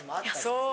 そう。